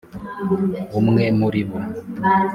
umwe muri bo,